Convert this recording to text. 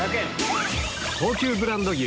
高級ブランド牛